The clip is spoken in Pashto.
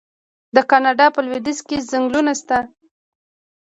د کاناډا په لویدیځ کې ځنګلونه شته.